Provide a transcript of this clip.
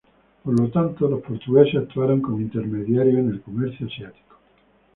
Por lo tanto, los portugueses actuaron como intermediarios en el comercio asiático.